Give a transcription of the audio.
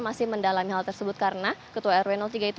masih mendalami hal tersebut karena ketua rw tiga itu